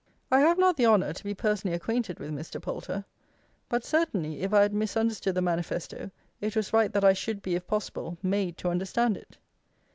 I have not the honour to be personally acquainted with Mr. Poulter, but certainly, if I had misunderstood the manifesto, it was right that I should be, if possible, made to understand it.